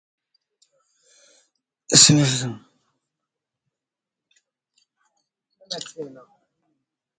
See references for a more complete inventory.